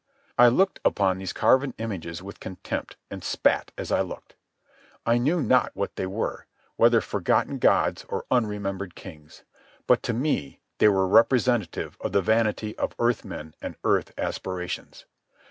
I looked upon these carven images with contempt, and spat as I looked. I knew not what they were, whether forgotten gods or unremembered kings. But to me they were representative of the vanity of earth men and earth aspirations.